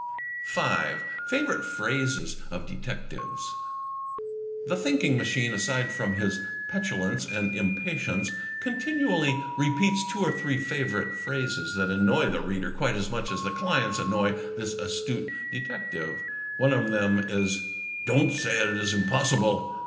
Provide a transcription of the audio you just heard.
5. Favorite Phrases of Detectives "The Thinking Machine," aside from his petulance and impatience, continually repeats two or three favorite phrases that annoy the reader quite as much as the clients annoy this astute detective. One of them is, " Don't say it is impossible!